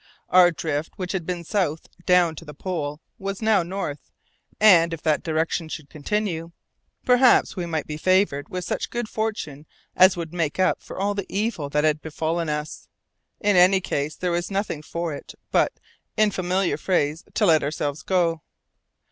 Our drift, which had been south, down to the pole, was now north, and, if that direction should continue, perhaps we might be favoured with such good fortune as would make up for all the evil that had befallen us! In any case there was nothing for it but, in familiar phrase, "to let ourselves go."